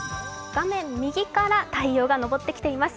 画面右から太陽が昇ってきています。